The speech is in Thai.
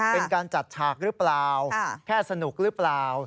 เป็นการจัดฉากหรือเปล่าแค่สนุกหรือเปล่า